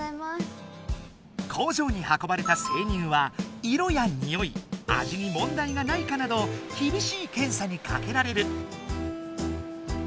工場にはこばれた生乳は色やにおい味にもんだいがないかなどきびしいけんさにかけられる。